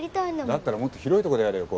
だったらもっと広いとこでやれよ